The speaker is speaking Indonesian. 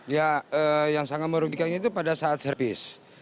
ya yang sangat merugikannya itu pada saat servis